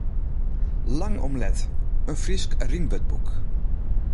Lang om let: in Frysk rymwurdboek!